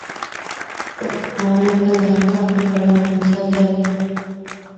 پر ہونڑ اے بازار کافی بڑا ہو گیا دا اے۔